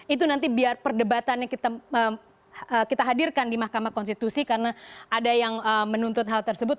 itu nanti biar perdebatannya kita hadirkan di mahkamah konstitusi karena ada yang menuntut hal tersebut